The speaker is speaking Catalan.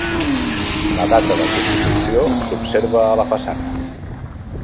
La data de construcció s'observa a la façana.